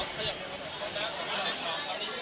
หลักออกค่ะ